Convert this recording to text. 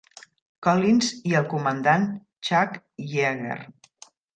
Collins i el comandant Chuck Yeager.